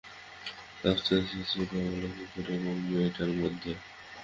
ধস্তাধস্তি হচ্ছে ঐ পাগলা কুকুর এবং মেয়েটার মধ্যে।